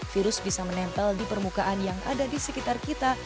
virus bisa menempel di permukaan yang ada di sekitar kita